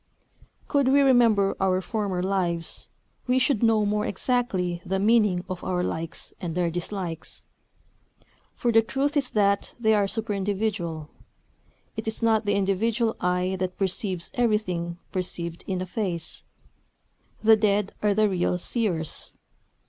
Could we remember our former lives, we should know more exactly the meaning of our likes and our dislikes. For the truth is that they are superindividual. It is not the individual eye that perceives everything perceived in a face. The dead are the real seers.